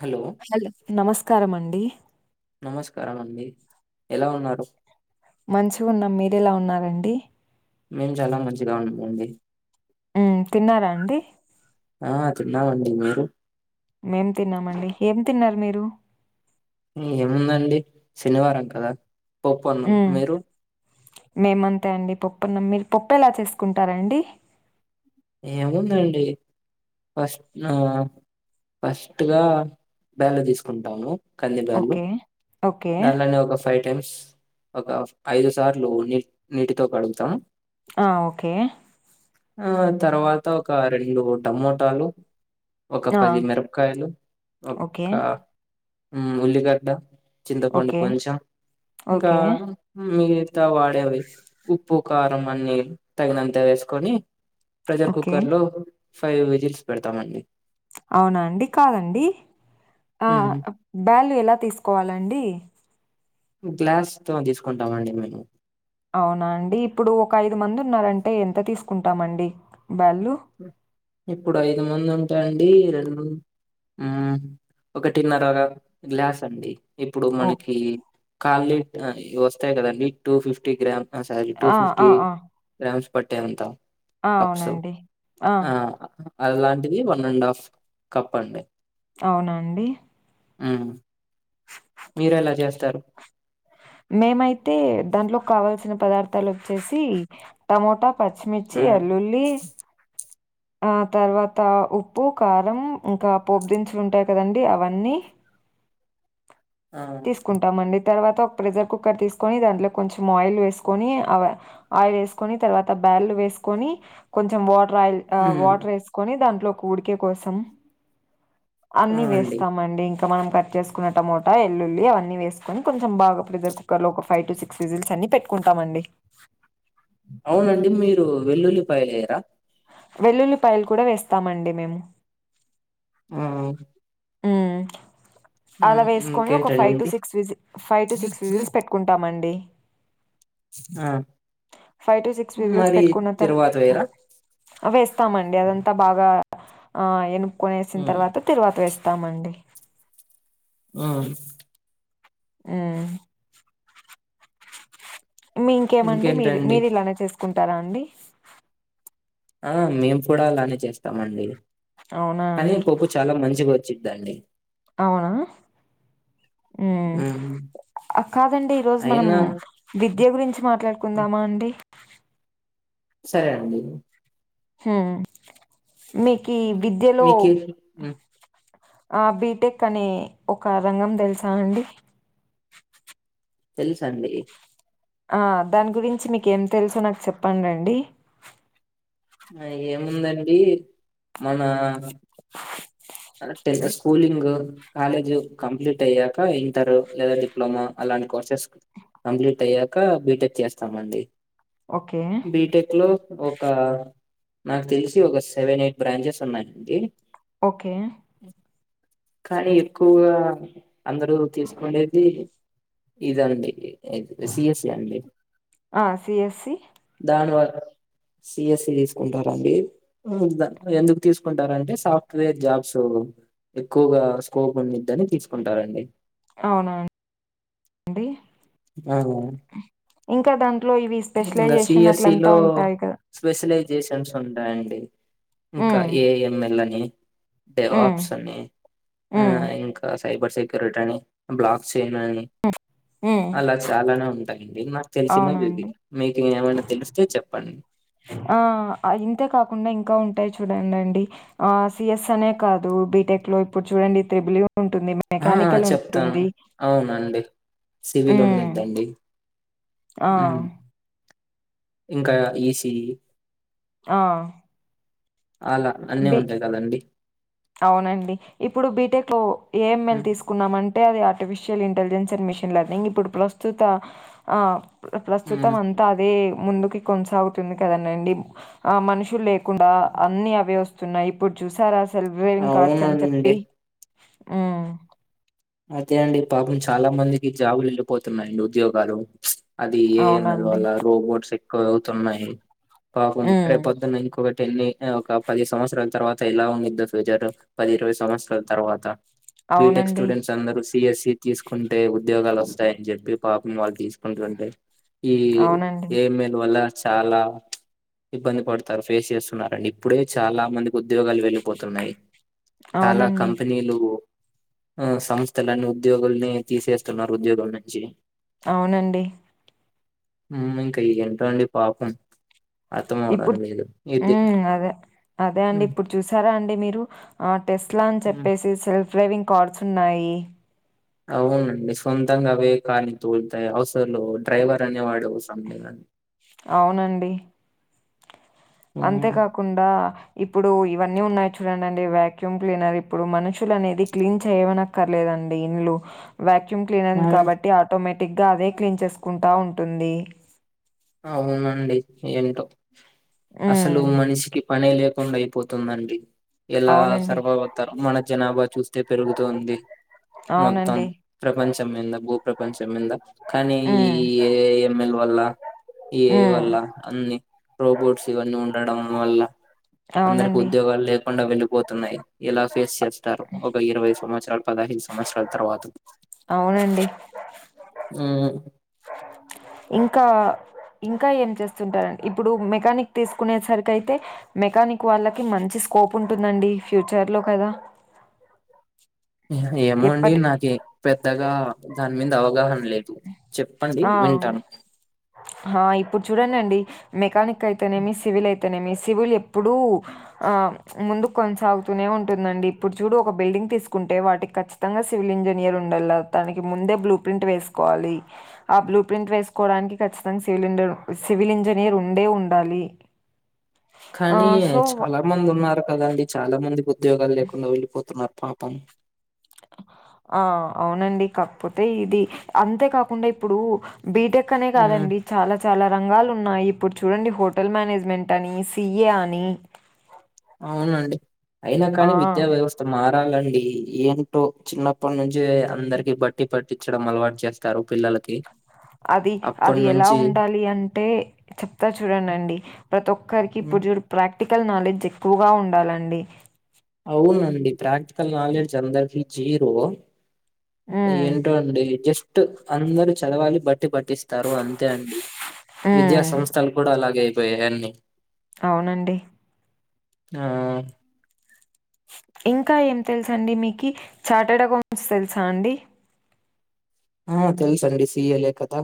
Hello hello నమస్కార అండి నమస్కారం అండి ఎలా ఉన్నారు మంచిగా ఉన్నాం మీర ఎలా ఉన్నారండి మేము చాలా మంచిగా ఉ ఉంది అండి ఉ తిన్నారా అండి ఆ తిన్నావండి మీరు మేం తిన్నామండి ఏం తిన్నారు మీరు ఏముందండి శనివారం కదా ఒప్పన్నాం ఉమ్ మీరు మేమంతే అండి పప్పు అన్నం మీరు పప్పు ఎలా చేసుకుంటారాండి ఏముందండి ఫస్ట్ ఆ ఫస్ట్గా బేళ తీసుకుంటాము కందిబు ఓకే ఓకే దానిలోనే ఒక ఫైట్ ఒక ఐదు సార్లు నీ నీటితో కడుగుతాము ఆ ఓకే ఆ తర్వాత ఒక రెండు టమోటాలు ఒక ఆ పది మిరపకాయలు ఒక ఓకే హమ్ ఉల్లిగడ్డ చింతపండు ఓకే కొంచెం ఇంకా ఓకే మిగతా వాడేవి ఉప్పు కారం అన్ని తగినంత వేసుకొని ప్రెషర్ ఓకే కుక్కర్ లో ఫైవ్ వెజిల్స్ పెడతామండి అవునా అండి కాదండి ఆ ఉమ్, బ్యల్ ఎలా తీసుకోవాలండి గ్లాస్ తో తీసుకుంటామ అండి మేము అవునా అండి ఇప్పుడు ఒక ఐదు మంది ఉన్నారంటే ఎంత తీసుకుంటామండి. బ్యాళ్ళు ఇప్పుడు ఐదు మంది. అండి రెండు ఆ ఒకటిన్నరగా గ్లాస్ అండి. ఇప్పుడు ఓ మనకి కాలనీ వస్తాయి కదండి టూ ఫిఫ్టీ గ్రామ్. ఆ సరీ టూ ఆ ఆ ఫిఫ్టీ ఆ గ్రామ్స్ పట్టె అంతా. అవునండి. ఆ అలాంటిది వన్ అండ్ హాఫ్ కప్ అండి. అవునండి. హ్మ్. మీరు ఎలా చేస్తారు. మేమైతే దాంట్లో కావాల్సిన పదార్థాలు వచ్చేసి టమోటా. పచ్చిమిర్చి ఉమ్. ఎల్లుల్లి. ఆ తర్వాత ఉప్పు కారం ఇంకా పోపు దిన్సులుంటాయి కదండీ అవన్నీ. ఆ తీసుకుంటామ అండి. తర్వాత ఒక ప్రెషర్ కుక్కర్ తీసుకొని దాంట్లో కొంచెం ఆయిల్ వేసుకొని ఆయిల్ వేసుకొని తర్వాత. పాన్ లో వేసుకొని కొంచెం వాట్. మ్మ్ వాటర్ వేసుకొని దాంట్లో ఒక ఉడికే కోసం. ఆ అన్ని అండి వేస్తామండి ఇంకా మనం కట్ చేసుకున్న టమోటా. వెల్లుల్లి అవన్నీ వేని కొంచెం బాగా ప్రెషర్ కుక్కర్ లో ఒక ఫైవ్ టు సిక్స్ విజిల్స్ అన్ని పెట్టుకుంటాంమండి. అవునండి మీరు వెల్లుల్లిపాయలు వేయర. వెల్లుల్లిపాయలు కూడా వేస్తామండి మేము. ఆ. హుమ్. అలా మ్మ్ వేసుకొని ఒక ఫైవ్ టు ఇంకేంటండి సిక్స్ విజి ఫైవ్ టు సిక్స్ విజిల్స్ పెట్టుకుంటాంమండి. ఆ ఫైవ్ టు సిక్స్ విజిల్స్ మరి పెట్టుకున్న తారువత. తిరువాత వేయరా వేస్తామండి అదంతా బాగా ఆ ఎనుకునే వసిన మ్మ్ తర్వాత తరువాత వేస్తాం. తమండి. ఆ. ఆ. మీ ఇంకేమండి మీరు ఇంకేంటండి మీరు ఇలానే చేసుకుంటారా అండి. ఆ మేము కూడా అలానే చేస్తాము అండి అవునా కానీ అండి? పప్పు చాలా మంచి వంది. వచ్చిదండి. అవునా. హ్మ్. ఆ కాదండి ఈ రోజు మనం హ్మ్. విద్య గురించి హ్మ్. మాట్లాడుకుందామా అండి. సరే అండి. హామ్ మీకు విద్యలో. మీకు ఆ బీటెక్ అనే ఒక రంగం తెలుసానండి‌. తెలుసండి. ఆ దాని గురించి మీకేం తెలుసు నాకు చెప్పండండి. ఆ ఏముందండి మన. టె స్కూలింగ్ కాలేజ్ కంప్లీట్ అయ్యాక ఇంటర్ లేదా డిప్లమా అలా. దాని కోర్సెస్ కంప్లీట్ అయ్యాక బీటెక్ చేస్తామండి. ఓకే బీటెక్ లో. ఒక నాకు తెలిసి ఒక సెవెన్, ఎయిట్ బ్రాంచెస్ ఉన్నాయండి. ఓకే. కానీ ఎక్కువగా అందరూ తీసుకునేది ఇదండి. సిఏసి ఈ అండి ఆ సిఎస్సి దాని వల్ల. సిఎసి తీసుకుంటారండి ఎందుకు తీసుకుంటారంటే సాఫ్ట్. వే జాబ్స్ ఎక్కువగా స్కోప్ ఉండిద్దని తీసుకుంటారండి. అవునవును ఆ ఇంకా దాంట్లో ఇవి ఇంకా స్పెషలైజేషన్ సిఎస్ఈ అట్లంతా లో ఉంటాయి కదా స్పెషలైజేషన్స్ ఉంటాయండి ఇంకా మ్మ్ ఏఎంఎల్ అని డే మ్మ్ ఆప్స్ అని ఆ మ్మ్ ఇంకా సైబర్ సెక్యూరిటీ అని బ్లాక్ చేయ అని మ్మ్ అలా చాలానే ఉంట ఇవి నాకు అవునా తెలిసినవిది అండి మీకు ఏమైనా తెలిస్తే చెప్పండి ఆ ఇంతే కాకుండా ఇంకా ఉంటాయి చూడండి అండి ఆ సిఎస్ అనే కాదు బీటెక్ లో ఇప్పుడు చూడండి త్రిబులూ ఉంటుంది ఆ మెకానికల్ చెప్తాను ఉంటుంది అవునండి సివిల్ మ్మ్ ఉన్నంటండి ఆ ఇంకా ఈసీ ఆ అలా అన్నీ బి ఉంటాయి కదండి అవునండి ఇప్పుడు బిటెక్ ఏంమెలు ఉమ్ తీసుకున్నామంటే అంటే అది artificial intelligence and machine learning ఇప్పుడు ప్రస్తుత ఆ ప్రస్తుతం ఉమ్ అంతా అదే ముందుకి కొనసాగుతుంది కదానండి ఆ మనుషులు లే కుడా అన్ని అవే వస్తున్నాయి ఇప్పుడు చూసారా సెల్ గ్రేటింగ్ కార్డ్స్ అని అవునండి చెప్పి ఆ అదే అండి పాపం చాలా మందికి జాబులు వెళ్ళిపోతున్నాడి ఉద్యోగాలు అది ఏఎంల అవునండి. వల్ల రోబోట్స్ ఎక్కువ అవుతున్నాయి పాపం హ్మ్. రేపు పొద్దున్న ఇంకొక టెన్ ఒక పది సంవత్సరాల తర్వాత ఇలా ఉండిదో ఫ్యూచర్ పది ఇరవై సంవత్సరాల తర్వాత బీటెక్ అవునండి స్టూడెంట్స్ అందరూ సిఎస్సి తీసుకుంటే ఉద్యోగాలు వస్తాయని చెప్పి పాపం వాళ్ళు తీసుకుంటుంటే ఈ అవునండి. ఏమెల్ వల్ల చాలా ఇబ్బంది పడతారు ఫేస్ చేస్తున్నడి ఇప్పుడే చాలా మందికి ఉద్యోగాలు వెళ్ళిపోతున్నాయి చాలా అవునండి. కంపెనీలు ఆ సంస్థలన్నీ ఉద్యోగుల్ని తీసేస్తున్నారు ఉద్యోగుల నుంచి అవునండి ఇంకా ఈ ఎంటలో అండి పాపం అర్థం అవడం ఇప్పుడు లేదు ఇది హ్మ్. అదే. అదే అండి హ్మ్. ఇప్పుడు చూసారా అండి మీరు ఆ టెస్ట్ లా అని హ్మ్. చెప్పేసి సెల్ఫ్ డ్రైవింగ్ కార్డ్స్ ఉన్నాయి అవునండి సొంతంగా అవే కాలి తోలుతాయి అసలు డ్రైవర్ అనే వాడు అవునండి హ్మ్. అంతేకాకుండా ఇప్పుడు ఇవన్నీ ఉన్నాయి చూడండి అండి వ్యాక్యూమ్ క్లీనర్ ఇప్పుడు మనుషులు అనేది క్లీన్ చేయమనక్కర్లేదుండి అండి ఇల్లు వాక్యూమ్ క్లీనర్ంది హ్మ్. కాబట్టి ఆటోమేటిక్ గా అదే క్లీన్ చేసుకుంటా ఉంటుంది అవునండి ఏంటో హ్మ్. అసలు మనిషికి పనే లేకుండా అయిపోతుందండి ఎలా అవునండి. సర్వైవ్ అతారు మన జనాభా చూస్తే పెరుగుతుంది మొత్తం అవునండి. ప్రపంచం మీద భూప్రపంచం మీద కానీ ఈ హ్మ్. ఏఎంఎల్ వల్ల ఏ హ్మ్. వల్ల అన్ని రోబోట్స్ ఇవన్నీ ఉండడం వల్ల అందరికి అవునండి. ఉద్యోగాలు లేకుండా వెళ్ళిపోతున్నాయి ఇలా ఫేస్ చేస్తారు ఒక ఇరవై సంవత్సరాలు పదహైదు సంవత్సరాల తర్వాత అవునండి ఆ ఇంకా ఇంకా ఏం చేస్తుంటారండి ఇప్పుడు మెకానిక్ తీసుకునే సరికి అయితే మెకానిక్ వాళ్ళకి మంచి స్కోప్ ఉంటుందండి ఫ్యూచర్లో కదా ఏమో అండి ఎప్పటి నాక పెద్దగా దాని మీద అవగాహన లేదు చెప్పండి ఆ వి వింటాను ఇప్పుడు చూడండిండి మెకానిక్ అయితేనేమి సివిల్ అయితే మీ సివిల్ ఎప్పుడూ ఆ ముందు కొనసాగుతూనే ఉంటుందండి ఇప్పుడు చూడు ఒక బిల్డింగ్ తీసుకుంటే వాటికి కచ్చితంగా సివిల్ ఇంజనీయర్ ఉండల దనికి ముందే బలూ ప్రింట్ఎస్కోవలి ఆ బ్లూ ప్రింట్ వే చూసుకోవడానికి ఖచ్చితంగా సిల్ సివిల్ ఇంజనీర్ ఉండే ఉండాలి ఆ కానీ సో చాలా మంది ఉన్నారు కదండి చాలా మంది ఉద్యోగాలు లేకుండా వెళ్ళిపోతున్నారు పాపం ఆ అవునండి కాకపోతే ఇది అంతే కాకుండా ఇప్పుడు బీటెక్ అనే ఉమ్, కాదండి చాలా చాలా రంగాలు ఉన్నాయి ఇప్పుడు చూడండి హోటల్ మేనేజ్మెంట్ అని సిఏ అని అవునండి అయినా ఆ! కానీ విద్యా వ్యవస్థ మ చాలండి ఏంటో చిన్నప్పటి నుంచే అందరికి బట్టి పట్టించడం అలవాటు చేస్తారు కి అది అది ఎలా ఉండాలి అంటే చెప్తా చూడంనండి ప్రతి ఒక్కరికి పడు చడు ప్రాక్టికల్ నాలెడ్జ్ ఎక్కువగా ఉండాలండి అవునండి ప్రాక్టికల్ నాలెడ్జ్ అందరికీ జీరో హ్మ్. ఏంటో అండి జస్ట్ అందరు చదవాలి బట్ పట్టి పట్టిస్తారు అంతే అండి విద్యా హ్మ్. సంస్థలు కూడా అలాగే అయిపోయాయి అన్నీ అవునండి ఆ ఇంకా ఏం తెలుసండి మీకు చాటెడ్ అకౌంట్స్ తెలుసా అండి ఆ తెలుస అండి సిఎలే కద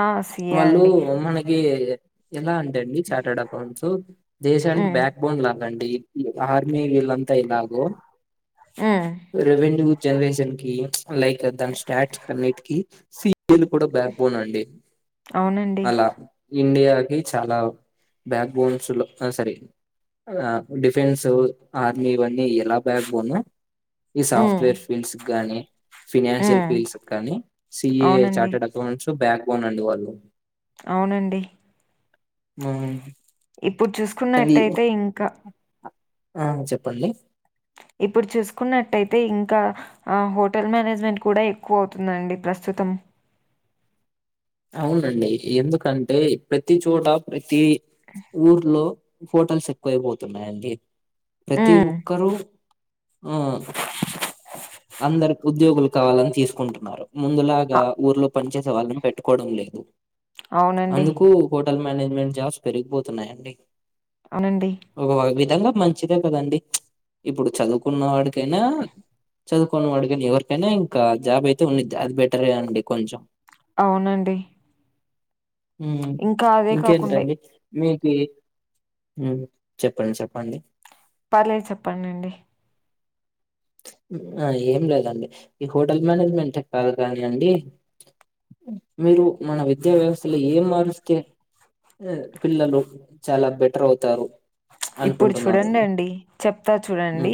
ఆ! సీఏ వాళ్ళు అండి. మనకి ఎలా అంటే అండి చార్టర్డ్ అకౌంట్స్ దేశానికి హ్మ్. బ్యాక్ బోన్ ల అండి ఆర్మీ వీళ్ళంతా ఇలాగో హ్మ్. రెవెన్యూ జనరేషన్ కి లైక్ దాని స్టార్ట్ అన్నిటికి వీలు కూడా బ్యాక్ బోన్ అండి అవునండి. అలా ఇండియాకి చాలా బ్యాక్ బోన్స్ లో సరే ఆ డిఫెన్సు ఆర్మీ ఇవన్నీ ఎలా బ్యాక్బోన్ ఈ హ్మ్. సాఫ్ట్వేర్ ఫీల్డ్స్ గాని ఫినాన్షియల్ హ్మ్. పస్ కానీ సఏ అవునండి. చార్టెడ్ అకౌంట్స్ బ్యాక్ బోన్ అండి వాళ్ళు అవునండి ఉ ఇప్పుడు చూసుకున్నట్టయితే ఇంకా ఆ చెప్పండి ఇప్పుడు చూసుకున్నట్టయితే ఇంకా హోటల్ మేనేజ్మెంట్ కూడా ఎక్కువ అవుతుందండి ప్రస్తుతం అవునండి ఎందుకంటే ప్రతి చోట ప్రతి ఊర్లో పోటల్స్ ఎక్కువ అయిపోతుయి అండి ప్రతి హ్మ్. ఒక్కరూ ఆ అందరు ఉద్యోగులు కావాలని తీసుకుంటున్నారు ముందులాగా అ ఊర్లో పంచాయత వాళ్ళ పెట్టుకోవడం లేదు అవునండి. అందుకు హోటల్ మేనేజ్మెంట్ జాబ్స్ పెరిగిపోతున్నాయండి అవునండి. ఒక విధంగా మంచిదే కదండి ఇప్పుడు చదువుకున్న వాడికైనా చదువుకోొని అడిగాని ఎవరికైనా ఇంకా జాబ్ అయితే ఉంది అది బెటరే అండి కొంచెం అవునండి ఇంకా అదే కాకుండా ఇంకేంటండి మీ చెప్పండి చెప్పండి చెప్పాలే చెప్పండిండి ఏం లేదండి ఈ హోటల్ మేనేజ్మెంట్ కాదు కాని అండి మీరు మన విద్యా వ్యవస్థలో ఏం మారుస్తే ఆ పిల్లలు చాలా బెటర్ అవుతారు ఇప్పుడు చూడండి అనుకుంటున్నారండి? అండి చెప్తా చూడండి హ్మ్.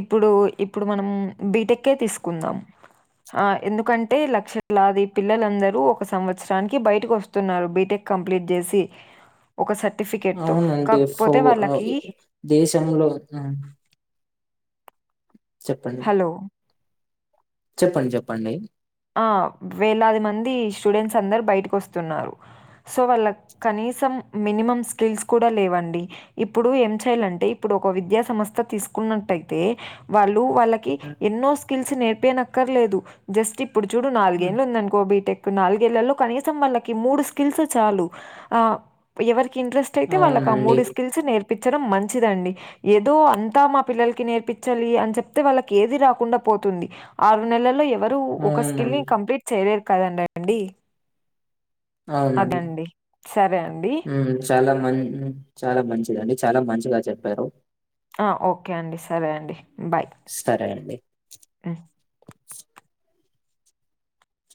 ఇప్పుడు ఇప్పుడు మనం బీటెక్ే తీసుకుందాం ఆ ఎందుకంటే లక్షలాది పిల్లలందరూ ఒక సంవత్సరానికి బయటకు వస్తున్నారు బీటెక్ కంప్లీట్ చేసి ఒక సర్టిఫికేట్ తో కాకపోతే ఆ వాళ్ళకి దేశంలో చెప్పండి హలో చెప్పండి చెప్పండి ఆ వేలాది మంది స్టూడెంట్స్ అందరు బయటకు వస్తున్నారు సో వాళ్ళ కనీ మినిమం స్కిల్స్ కూడా లేవండి ఇప్పుడు ఏం చేయాలంటే ఇప్పుడు ఒక విద్యా సంస్థ తీసు ట్యితే వాళ్ళు వాళ్ళకి ఆ! ఎన్నో స్కిల్స్ నేర్పనక్కర్లేదు జస్ట్ ఇప్పుడు చూడు ఆ! నాలుగేళ్ళలు ఉందనుకో బీటెక్ నాలుగేళ్లో కనీసం వాళ్ళకి మూడు స్కిల్స్ చాలు ఎవరి ఇంట్రస్ట్ అయితే వాళ్ళకి ఆ అవునండి. మూడు స్ల్స్ేర్ ించడం మంచిదండి ఏదో అంతా మా పిల్లలకి నేర్పించాలి అని చెప్తే వాళ్ళకి ఏది రాకుండా పోతుంది ఆరు నెలల్లో ఎ మరు ఒక స్కిల్ ని అవునండి. కంప్లీట్ చేయలేరు కదండ అండి అవునండి అండి. చాలాంది చాలా మంచిదండి చాలా మంచిగా చెప్పారు ఆ ఓకే అండి సరే అండి బాయ్. సరయంండి హ్మ్.